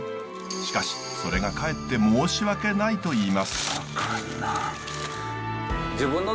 しかしそれがかえって申し訳ないといいます。